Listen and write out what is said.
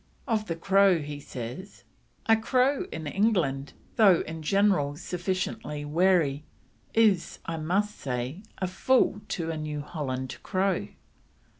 Of the crow he says: "A crow in England though in general sufficiently wary is, I must say, a fool to a New Holland crow."